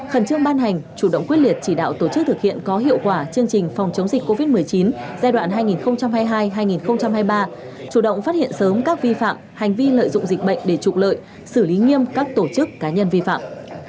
khẩn trương ban hành chủ động quyết liệt chỉ đạo tổ chức thực hiện có hiệu quả chương trình phòng chống dịch covid một mươi chín giai đoạn hai nghìn hai mươi hai hai nghìn hai mươi ba chủ động phát hiện sớm các vi phạm hành vi lợi dụng dịch bệnh để trục lợi xử lý nghiêm các tổ chức cá nhân vi phạm